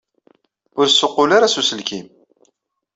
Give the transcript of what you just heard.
Ur ssuqqul ara s uselkim.